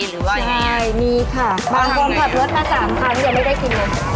หรือว่าอย่างนี้ใช่มีค่ะบางคนถอดรถมา๓ครั้งยังไม่ได้กินเลย